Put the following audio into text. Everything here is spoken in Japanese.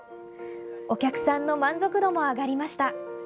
お客さんの満足度も上がりました。